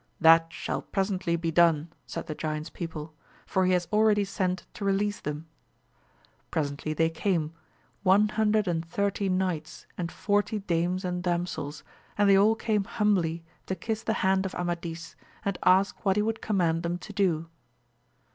That shall presently be done, said the giant's people, for he has already sent to release them. Presently they came, one hundred and thirty knights and forty dames and damsels, and they all came humbly to kiss the hand of Amadis and ask what he would command them to do.